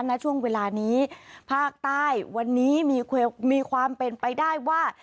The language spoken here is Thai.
ณช่วงเวลานี้ภาคใต้วันนี้มีความเป็นไปได้ว่า